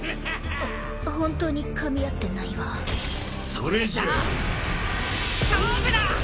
ホントに噛み合ってないわそれじゃあ勝負だ！